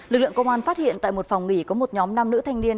lực lượng công an phát hiện tại một phòng nghỉ có một nhóm nam nữ thanh niên